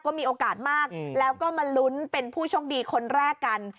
ก็มีโอกาสมากแล้วก็มาลุ้นเป็นผู้โชคดีคนแรกกัน